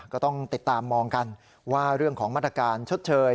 ก็ต้องติดตามมองกันว่าเรื่องของมาตรการชดเชย